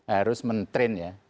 harus mentrain ya